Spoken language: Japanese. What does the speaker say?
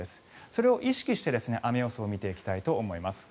それを意識して雨予想を見ていきたいと思います。